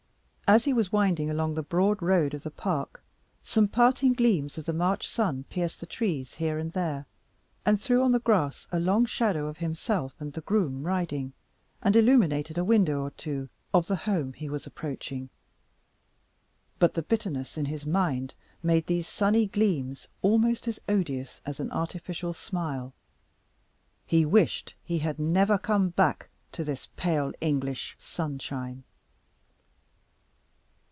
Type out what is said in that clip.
As he was winding along the broad road of the park, some parting gleams of the March sun pierced the trees here and there, and threw on the grass a long shadow of himself and the groom riding, and illuminated a window or two of the home he was approaching. But the bitterness in his mind made these sunny gleams almost as odious as an artificial smile. He wished he had never come back to this pale English sunshine.